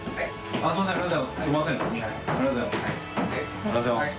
ありがとうございます。